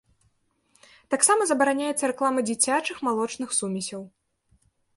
Таксама забараняецца рэклама дзіцячых малочных сумесяў.